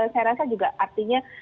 saya rasa juga artinya